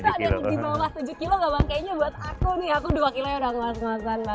nah kalau kita di bawah tujuh kilo gak bang kayaknya buat aku nih aku dua kilonya udah aku langsung makan